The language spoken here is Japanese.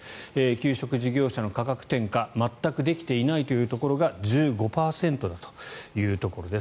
給食事業者の価格転嫁全くできていないというところが１５％だというところです。